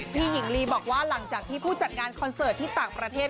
หญิงลีบอกว่าหลังจากที่ผู้จัดงานคอนเสิร์ตที่ต่างประเทศ